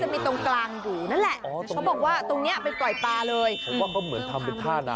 เหมือนทำก็ทำไปท่านานก็ไม่เพราะ